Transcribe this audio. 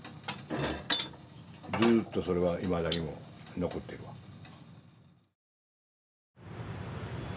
ずっとそれはいまだにも残ってるわ。